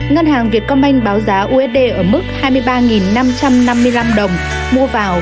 ngân hàng việt công banh báo giá usd ở mức hai mươi ba năm trăm năm mươi năm đồng mua vào